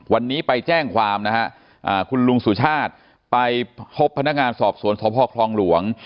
วันนี้ไปแจ้งความนะฮะคุณลุงสุชาติไปพบพนักงานสอบสวนสพคลองหลวง